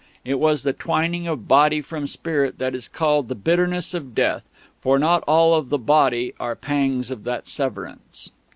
It was the twining of body from spirit that is called the bitterness of Death; for not all of the body are the pangs of that severance.